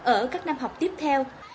ở các năm học tiếp theo